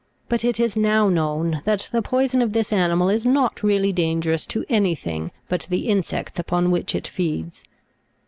But it is now known that the poison of this animal is not really dangerous to any thing but the insects upon which it feeds.